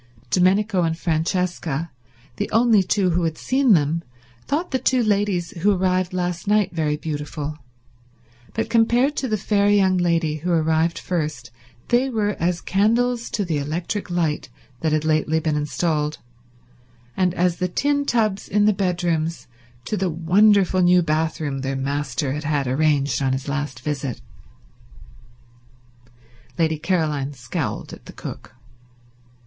Domenico and Francesca, the only two who had seen them, thought the two ladies who arrived last very beautiful, but compared to the fair young lady who arrived first they were as candles to the electric light that had lately been installed, and as the tin tubs in the bedrooms to the wonderful new bathroom their master had had arranged on his last visit. Lady Caroline scowled at the cook.